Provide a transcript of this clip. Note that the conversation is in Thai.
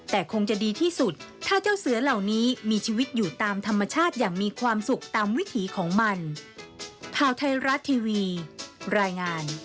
แต่คงจะดีที่สุดถ้าเจ้าเสือเหล่านี้มีชีวิตอยู่ตามธรรมชาติอย่างมีความสุขตามวิถีของมัน